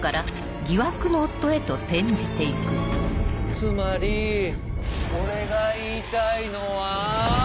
つまり俺が言いたいのは。